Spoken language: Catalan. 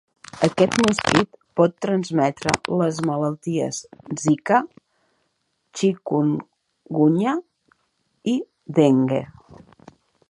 Aquest mosquit pot transmetre les malalties Zika, Chikungunya i Dengue.